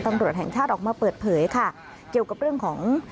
ตำรวจแห่งชาติออกมาเปิดเผยค่ะเกี่ยวกับเรื่องของ